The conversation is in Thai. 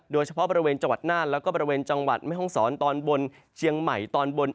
โดยเฉพาะบริเวณจังหวัดน่านแล้วก็บริเวณจังหวัดแม่ห้องศรตอนบนเชียงใหม่ตอนบน